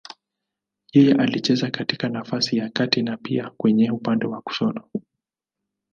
Yeye alicheza katika nafasi ya kati na pia kwenye upande wa kushoto.